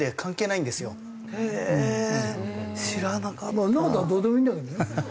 まあそんな事はどうでもいいんだけどね。